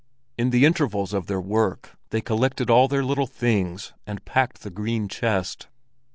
In the intervals of their work, they collected all their little things and packed the green chest.